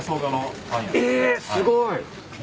えすごい！